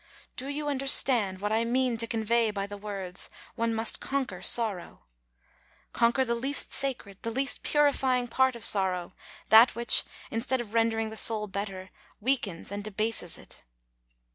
Do you understand what 238 APRIL I mean to convey by the words, One must conquer sorrow conquer the least sacred, the least purifying part of sorrow, that which, instead of rendering the soul better, weakens and debases it?